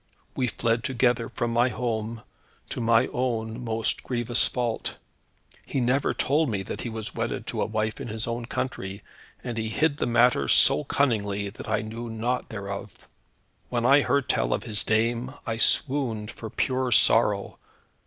We fled together from my home, to my own most grievous fault. He never told me that he was wedded to a wife in his own country, and he hid the matter so cunningly, that I knew naught thereof. When I heard tell of his dame, I swooned for pure sorrow.